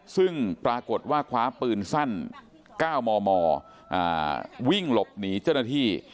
ซึ่งปรากฏว่าคว้าปืนสั้น๙มมวิ่งหลบหนีเจ้าหน้าที่